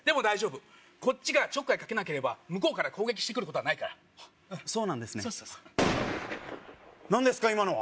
大丈夫こっちがちょっかいかけなければ向こうから攻撃してくることはないからそうなんですね何ですか？